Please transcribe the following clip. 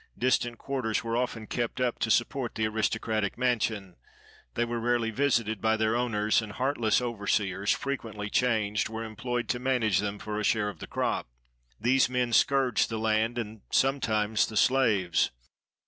Distant quarters were often kept up to support the aristocratic mansion. They were rarely visited by their owners; and heartless overseers, frequently changed, were employed to manage them for a share of the crop. These men scourged the land, and sometimes the slaves.